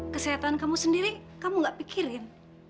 kesehatan kamu sendiri kamu gak pikirin